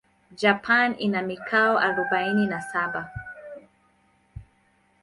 Japan ina mikoa arubaini na saba.